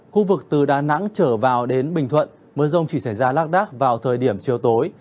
khu vực từ đà nẵng trở vào đến bình thuận mưa rông chỉ xảy ra lác đác vào thời điểm chiều tối